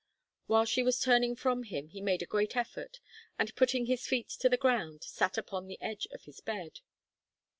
While she was turning from him he made a great effort, and putting his feet to the ground, sat upon the edge of his bed.